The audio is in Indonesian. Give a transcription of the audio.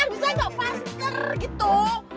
bisa gak faster gitu